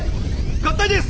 合体です！